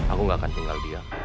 aku gak akan tinggal dia